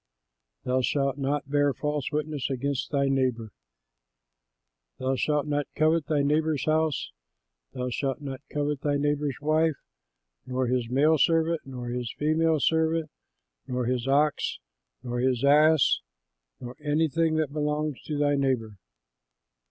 "THOU SHALT NOT BEAR FALSE WITNESS AGAINST THY NEIGHBOR. "THOU SHALT NOT COVET THY NEIGHBOR'S HOUSE; thou shalt not covet thy neighbor's wife, nor his male servant, nor his female servant, nor his ox, nor his ass, nor anything that belongs to thy neighbor."